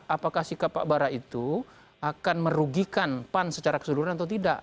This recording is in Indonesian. apakah sikap pak bara itu akan merugikan pan secara keseluruhan atau tidak